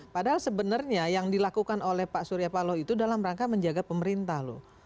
padahal sebenarnya yang dilakukan oleh pak surya paloh itu dalam rangka menjaga pemerintah loh